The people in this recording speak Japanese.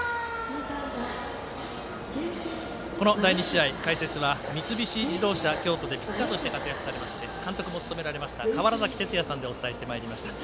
この第２試合解説は三菱自動車京都でピッチャーとして活躍されまして監督も務められました川原崎哲也さんでお伝えしてまいりました。